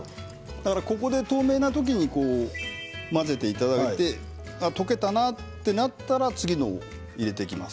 だから、ここで透明な時に混ぜていただいて溶けたなとなったら次のものを入れていきます。